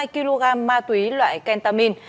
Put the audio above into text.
hai kg ma túy loại kentamin